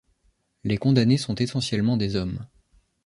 Les condamnés sont essentiellement des hommes.